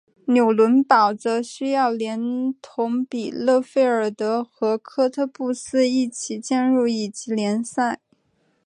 纽伦堡则需要连同比勒费尔德和科特布斯一起降入乙级联赛。